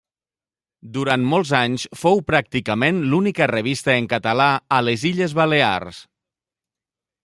Durant molts anys fou pràcticament l'única revista en català a les Illes Balears.